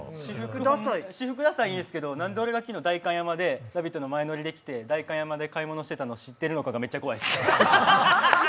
私服ダサイいいんですけど何で俺が昨日、「ラヴィット！」の前のりで来て代官山で買い物してたのか知ってるのがめちゃ怖いです。